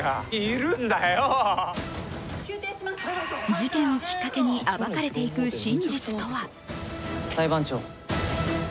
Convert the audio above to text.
事件をきっかけに暴かれていく真実とは。